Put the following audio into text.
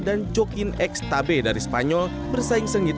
dan chokin x tabe dari spanyol bersaing sengit